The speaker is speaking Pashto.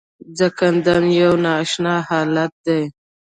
ځنکدن یو نا اشنا حالت دی .